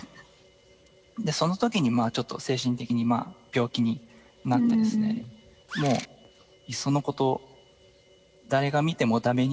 そのときにちょっと精神的に病気になってですねもういっそのこと誰が見ても駄目